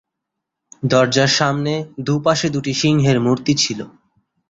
দরজার সামনে দু’পাশে দু’টি সিংহের মূর্তি ছিল।